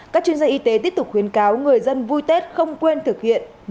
các chuyên gia y tế tiếp tục khuyến cáo người dân vui tết không quên thực hiện